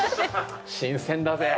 新鮮だぜ！